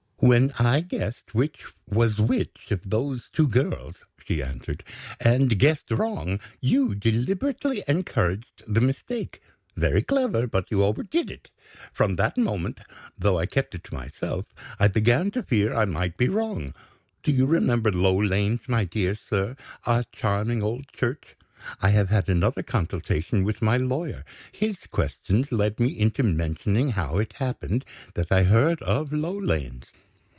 "When I guessed which was which of those two girls," she answered, "and guessed wrong, you deliberately encouraged the mistake. Very clever, but you overdid it. From that moment, though I kept it to myself, I began to fear I might be wrong. Do you remember Low Lanes, my dear sir? A charming old church. I have had another consultation with my lawyer. His questions led me into mentioning how it happened that I heard of Low Lanes.